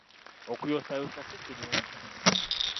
Okuyosaayosa si kirungi.